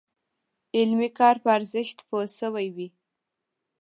علمي کار په ارزښت پوه شوي وي.